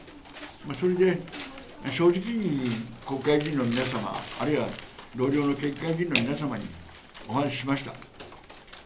それで正直に国会議員の皆様、あるいは同僚の県議会議員の皆様にお話ししました。